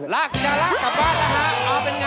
ลากกลับบ้านนะคะเป็นอย่างไร